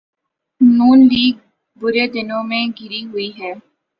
نون League برے دنوں میں گھری ہوئی ہے۔